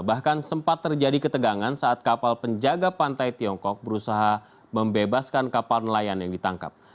bahkan sempat terjadi ketegangan saat kapal penjaga pantai tiongkok berusaha membebaskan kapal nelayan yang ditangkap